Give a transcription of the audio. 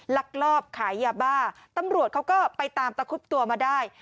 ลักลอบขายยาบ้าตำรวจเขาก็ไปตามตะคุบตัวมาได้